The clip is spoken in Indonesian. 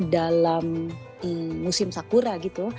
dalam musim sakura gitu